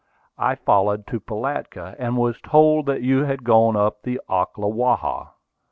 I followed to Pilatka, and was told that you had gone up the Ocklawaha.